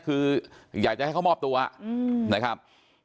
คืออยากจะให้เขามอบตัวนะครับ